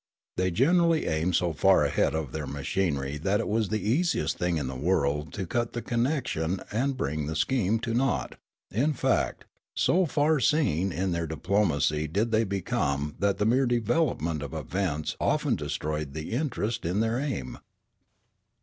They gen erally aimed so far ahead of their machinery that it was the easiest thing in the world to cut the connection and bring the scheme to naught ; in fact, so far seeing in their diplomacy did they become that the mere devel opment of events often destroyed the interest in their aim.